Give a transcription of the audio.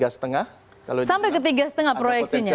sampai ke tiga lima proyeksinya